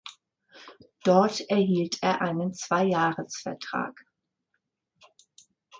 Dort erhielt er einen Zweijahresvertrag.